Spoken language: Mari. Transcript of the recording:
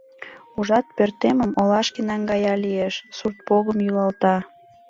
Ужат, пӧртемым олашке наҥгая лиеш, суртпогым йӱлалта.